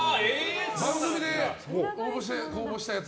番組で応募したやつ？